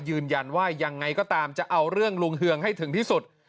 ยืนยันว่ายังไงก็ตามจะเอาเรื่องลุงเฮืองให้ถึงที่สุด